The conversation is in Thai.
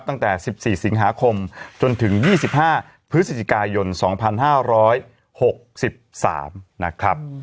ตั้งแต่๑๔สิงหาคมจนถึง๒๕พฤศจิกายน๒๕๖๓นะครับ